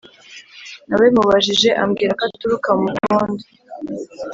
na we mubajije ambwira ko aturuka mu mukondo